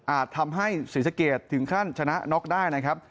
ทำให้ศรีสะเกดถึงขั้นชนะน็อกได้นะครับ